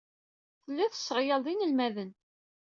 Tellid tesseɣyaled inelmaden.